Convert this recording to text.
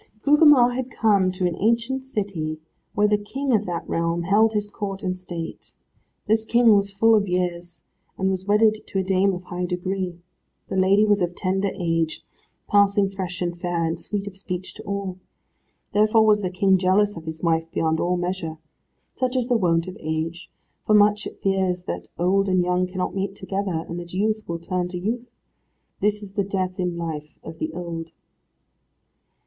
Gugemar had come to an ancient city, where the King of that realm held his court and state. This King was full of years, and was wedded to a dame of high degree. The lady was of tender age, passing fresh and fair, and sweet of speech to all. Therefore was the King jealous of his wife beyond all measure. Such is the wont of age, for much it fears that old and young cannot mate together, and that youth will turn to youth. This is the death in life of the old.